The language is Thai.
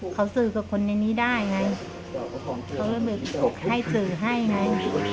เขาสื่อกับคนในนี้ได้ไงเขาก็เลยแบบให้สื่อให้ไง